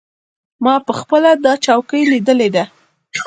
ما پخپله دا چوکۍ لیدلې ده.